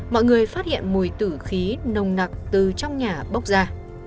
mọi người phát hiện mùi tử khí nồng nặc từ trong nhà bốc ra